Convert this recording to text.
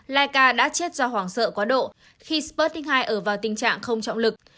laika đã chết do hoảng sợ quá độ khi sputnik hai ở vào tình trạng không trọng lực